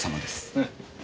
うん。